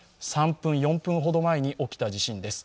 ３分、４分ほど前に起きた地震です。